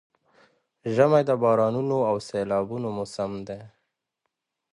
ژمی د بارانونو او سيلابونو موسم دی؛